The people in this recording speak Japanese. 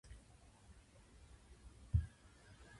頼むってーまじで